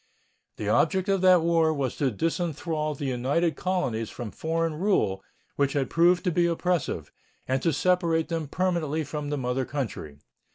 The object of that war was to disenthrall the united colonies from foreign rule, which had proved to be oppressive, and to separate them permanently from the mother country.